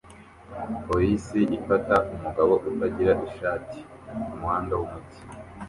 Polisi ifata umugabo utagira ishati kumuhanda wumujyi